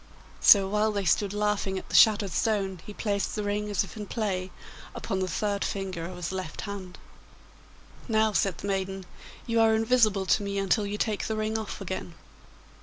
So while they stood laughing at the shattered stone he placed the ring, as if in play, upon the third finger of his left hand. 'Now,' said the maiden, 'you are invisible to me until you take the ring off again.